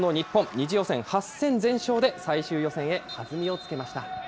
２次予選８戦全勝で最終予選へ弾みをつけました。